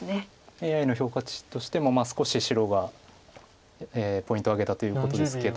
ＡＩの評価値としてもまあ少し白がポイントを挙げたということですけど。